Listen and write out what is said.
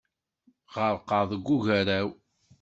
Ɣerqeɣ deg ugaraw.